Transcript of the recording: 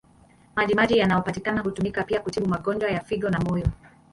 Maji maji yanayopatikana hutumika pia kutibu magonjwa ya figo na moyo.